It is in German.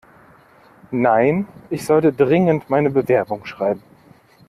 Nein, ich sollte dringend meine Bewerbung schreiben.